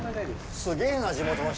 すげえな、地元の人。